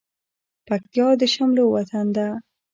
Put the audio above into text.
پکتيا د شملو وطن ده